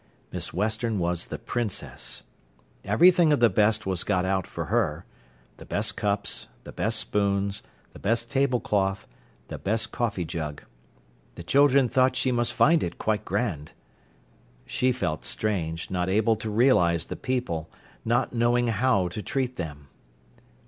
Miss Western was the princess. Everything of the best was got out for her: the best cups, the best spoons, the best table cloth, the best coffee jug. The children thought she must find it quite grand. She felt strange, not able to realise the people, not knowing how to treat them.